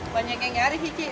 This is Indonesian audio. banyak yang nyaris sih cik